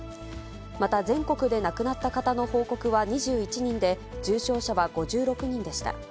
また、全国で亡くなった方の報告は２１人で、重症者は５６人でした。